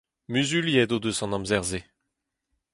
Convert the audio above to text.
Muzuliet o deus an amzer-se.